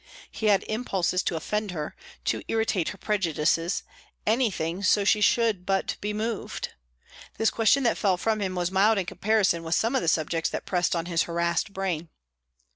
He had impulses to offend her, to irritate her prejudices anything, so she should but be moved. This question that fell from him was mild in comparison with some of the subjects that pressed on his harassed brain.